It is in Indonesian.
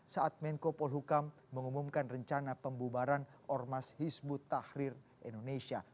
saat menko polhukam mengumumkan rencana pembubaran ormas hizbut tahrir indonesia